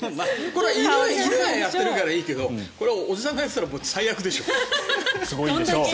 犬がやってるからいいけどこれはおじさんがやっていたら最悪でしょう。